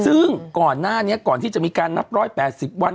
ซึ่งก่อนหน้านี้ก่อนที่จะมีการนับ๑๘๐วัน